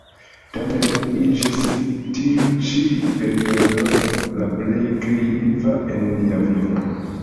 Tamen iĝis tiu ĉi periodo la plej kreiva en lia vivo.